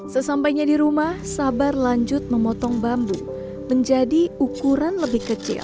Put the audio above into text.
sesampainya di rumah sabar lanjut memotong bambu menjadi ukuran lebih kecil